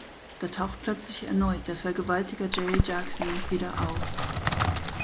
Da taucht plötzlich erneut der Vergewaltiger Jerry Jackson wieder auf.